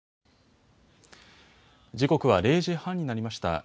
時刻は０時半になりました。